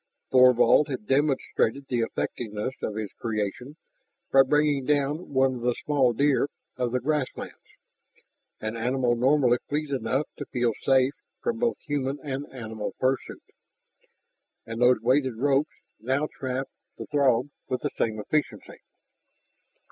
Thorvald had demonstrated the effectiveness of his creation by bringing down one of the small "deer" of the grasslands, an animal normally fleet enough to feel safe from both human and animal pursuit. And those weighted ropes now trapped the Throg with the same efficiency.